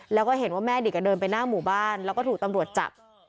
แล้วก็เห็นว่าแม่เด็กเดินไปหน้าหมู่บ้านแล้วก็ถูกตำรวจจับ